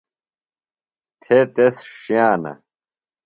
تھے تس ݜِیانہ.